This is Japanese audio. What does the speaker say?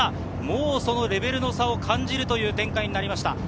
もうそのレベルの差を感じるという展開になりました。